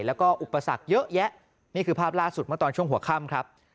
แล้วก็อุปสรรคเยอะแยะนี่คือภาพล่าสุดเมื่อตอนช่วงหัวค่ำครับ